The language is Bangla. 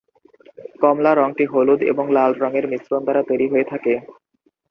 কমলা রঙটি হলুদ এবং লাল রঙের মিশ্রণ দ্বারা তৈরি হয়ে থাকে।